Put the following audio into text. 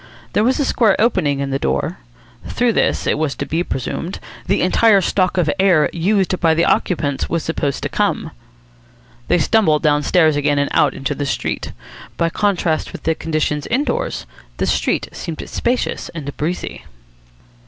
There was a square opening in the door. Through this, it was to be presumed, the entire stock of air used by the occupants was supposed to come. They stumbled downstairs again and out into the street. By contrast with the conditions indoors the street seemed spacious and breezy.